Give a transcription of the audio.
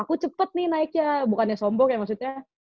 aku cepet nih naiknya bukannya sombong ya maksudnya